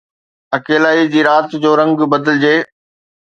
اڪيلائيءَ جي رات جو رنگ بدلجي